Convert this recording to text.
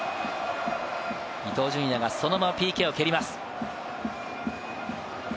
伊東純也が、そのままＰＫを蹴ります。